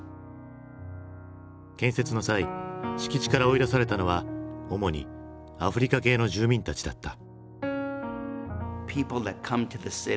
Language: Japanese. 建設の際敷地から追い出されたのは主にアフリカ系の住民たちだった。